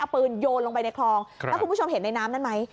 เอาปืนโยนลงไปในคลองแล้วคุณผู้ชมเห็นในน้ำนั้นไหม